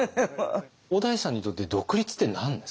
小田井さんにとって独立って何ですか？